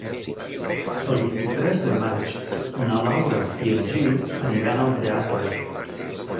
El vint-i-tres de maig na Laura i en Gil aniran al teatre.